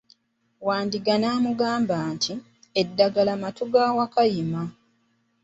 Wandiga n'amugamba nti, eddagala mattu ga Wakayima.